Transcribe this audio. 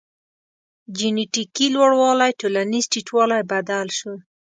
جنټیکي لوړوالی ټولنیز ټیټوالی بدل شو.